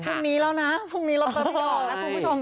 พรุ่งนี้แล้วนะพรุ่งนี้ลอตเตอรี่ออกนะคุณผู้ชม